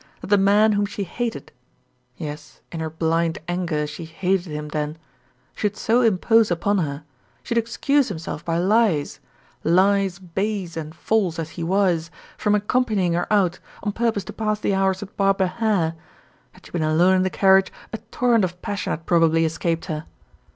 That the man whom she hated yes, in her blind anger, she hated him then should so impose upon her, should excuse himself by lies, lies base and false as he was, from accompanying her out, on purpose to pass the hours with Barbara Hare! Had she been alone in the carriage, a torrent of passion had probably escaped her.